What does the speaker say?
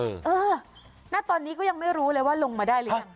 เออณตอนนี้ก็ยังไม่รู้เลยว่าลงมาได้หรือยัง